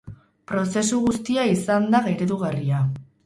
Prozesu guztia izan da eredugarria.